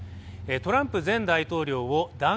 トランプ前大統領を弾劾